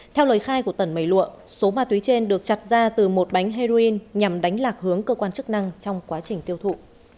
theo lời khai của tần mây lụa số ma túy trên được chặt ra từ một bánh heroin nhằm đánh lạc hướng cơ quan chức năng trong quá trình tiêu thụ